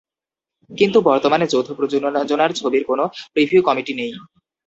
কিন্তু বর্তমানে যৌথ প্রযোজনার ছবির কোনো প্রিভিউ কমিটি নেই।